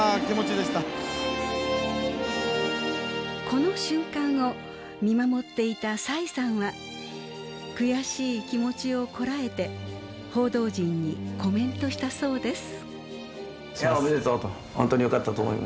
この瞬間を見守っていた栽さんは悔しい気持ちをこらえて報道陣にコメントしたそうです。